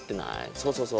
そうそうそう。